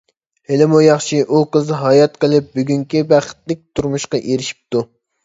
ھېلىمۇ ياخشى ئۇ قىز ھايات قېلىپ بۈگۈنكى بەختلىك تۇرمۇشقا ئېرىشىپتۇ.